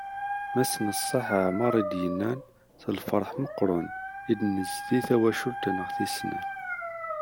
Mass Neṣṣaḥ Ɛmer, i d-yennan: “S lferḥ meqqren i d-nezdi tawcult-nneɣ tis snat."